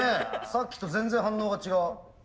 さっきと全然反応が違う。